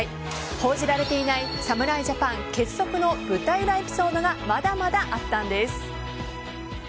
報じられていない侍ジャパン結束の舞台裏エピソードがまだまだあったんです。